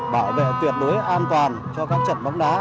bảo vệ tuyệt đối an toàn cho các trận bóng đá